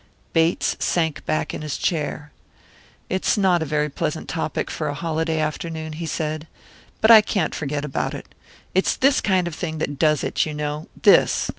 Bates sank back in his chair. "It's not a very pleasant topic for a holiday afternoon," he said. "But I can't forget about it. It's this kind of thing that does it, you know this."